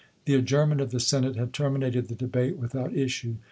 The adjourn ment of the Senate had terminated the debate without issue.